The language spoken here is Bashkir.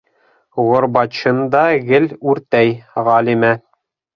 Горбачын да гел үртәй Ғәлимә!